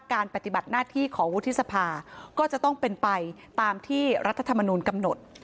ปฏิบัติหน้าที่ของวุฒิสภาก็จะต้องเป็นไปตามที่รัฐธรรมนูลกำหนด